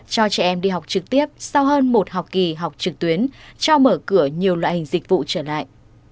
cho trẻ em đi học trực tiếp sau hơn một học kỳ học trực tuyến cho mở cửa nhiều loại hình dịch vụ trở lại